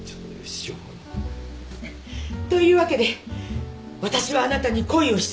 市長。というわけで私はあなたに恋をし続けます。